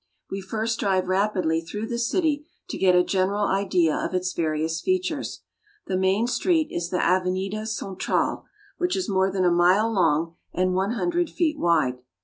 We first drive rapidly through the city to get a general idea of its various features. The main street is the Ave nida Central, which is more than a mile long and one hun dred feet wide.